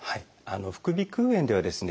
副鼻腔炎ではですね